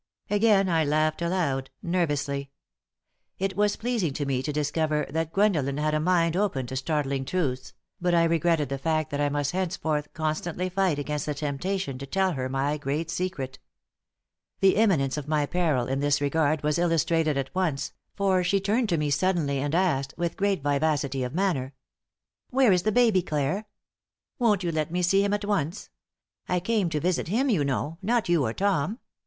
Again I laughed aloud, nervously. It was pleasing to me to discover that Gwendolen had a mind open to startling truths, but I regretted the fact that I must henceforth constantly fight against the temptation to tell her my great secret. The imminence of my peril in this regard was illustrated at once, for she turned to me suddenly and asked, with great vivacity of manner: "Where is the baby, Clare? Won't you let me see him at once? I came to visit him, you know; not you or Tom.